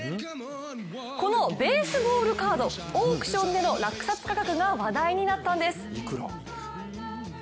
このベースボールカードオークションでの落札価格が話題になったんです。